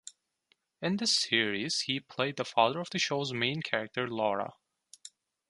In this series he played the father of the show's main character, Laura.